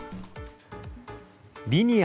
リニア